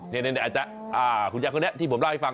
เนี่ยอาจารย์คุณแจ้งคนนี้ที่ผมเล่าให้ฟัง